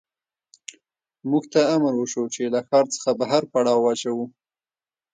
موږ ته امر وشو چې له ښار څخه بهر پړاو واچوو